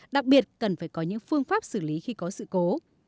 đặc biệt cần phải có những phương pháp xử lý khi có sự cố